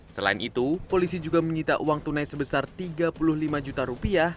selain itu polisi juga menyita uang tunai sebesar tiga puluh lima juta rupiah